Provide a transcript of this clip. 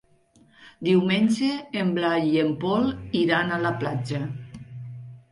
Diumenge en Blai i en Pol iran a la platja.